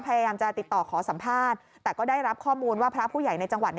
พยายามจะติดต่อขอสัมภาษณ์แต่ก็ได้รับข้อมูลว่าพระผู้ใหญ่ในจังหวัด